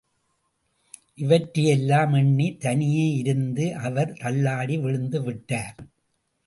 இவற்றை எல்லாம் எண்ணி தனியே இருந்த அவர் தள்ளாடி விழுந்து விட்டார்.